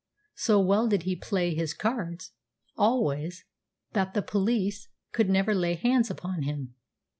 So well did he play his cards always that the police could never lay hands upon him.